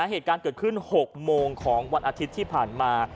เหตุการณ์เกิดขึ้น๖โมงของวันอาทิตย์ที่ผ่านมา